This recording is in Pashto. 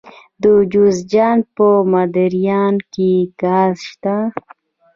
د جوزجان په مردیان کې ګاز شته.